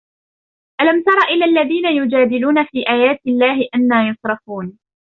ألم تر إلى الذين يجادلون في آيات الله أنى يصرفون